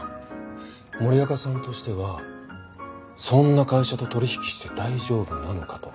森若さんとしてはそんな会社と取り引きして大丈夫なのかと。